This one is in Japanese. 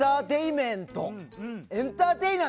エンターテイナー。